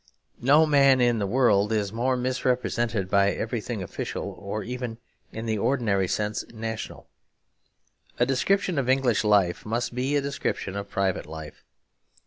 No man in the world is more misrepresented by everything official or even in the ordinary sense national. A description of English life must be a description of private life.